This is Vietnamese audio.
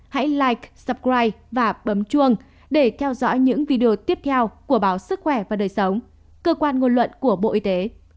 hãy live suprite và bấm chuông để theo dõi những video tiếp theo của báo sức khỏe và đời sống cơ quan ngôn luận của bộ y tế